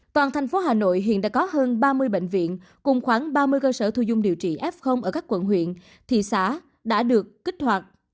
toàn thành phố hà nội hiện đã có hơn ba mươi bệnh viện cùng khoảng ba mươi cơ sở thu dung điều trị f ở các quận huyện thị xã đã được kích hoạt